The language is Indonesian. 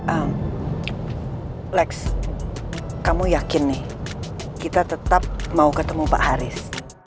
am lex kamu yakin nih kita tetap mau ketemu pak haris